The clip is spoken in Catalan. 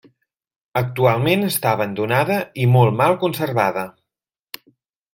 Actualment està abandonada i molt mal conservada.